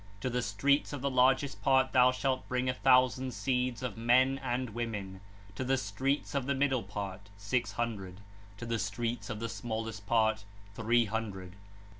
To the streets of the largest part thou shalt bring a thousand seeds of men and women; to the streets of the middle part, six hundred; to the streets of the smallest part, three hundred.